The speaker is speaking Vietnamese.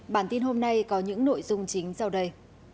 bản tin hôm nay có những nội dung chính sau đây